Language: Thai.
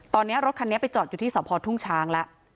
ตอนนี้รถคันนี้ไปจอดอยู่ที่สพทุ่งช้างแล้ว